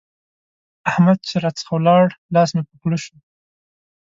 احمد چې راڅخه ولاړ؛ لاس مې په خوله شو.